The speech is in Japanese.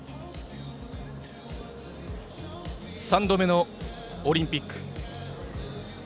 ３度目のオリンピック。